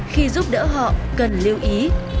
khi giúp đỡ họ cần lưu ý